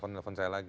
tidak ada kabar lagi